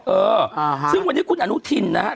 เออซึ่งวันนี้คุณอนุทินนะฮะ